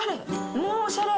もうおしゃれ。